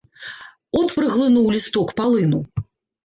От праглынуў лісток палыну.